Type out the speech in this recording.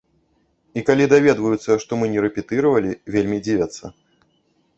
І калі даведваюцца, што мы не рэпетыравалі, вельмі дзівяцца.